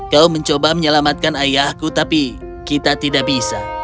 kau mencoba menyelamatkan ayahku tapi kita tidak bisa